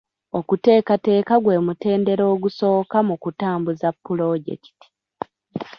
Okuteekateeka gwe mutendera ogusooka mu kutambuza pulojekiti.